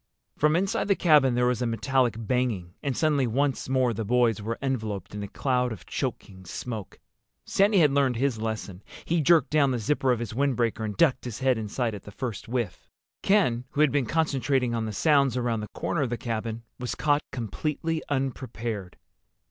From inside the cabin there was a metallic banging, and suddenly once more the boys were enveloped in a cloud of choking smoke. Sandy had learned his lesson. He jerked down the zipper of his windbreaker and ducked his head inside at the first whiff. Ken, who had been concentrating on the sounds around the corner of the cabin, was caught completely unprepared.